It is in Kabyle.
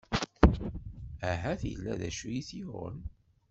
Ahat illa d acu i t-yuɣen.